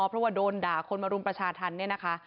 เพราะว่าโดนด่าคนมารุมประชาธรรมนี้